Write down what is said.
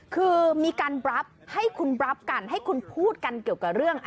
คือมีการบรับให้คุณบรับกันให้คุณพูดกันเกี่ยวกับเรื่อง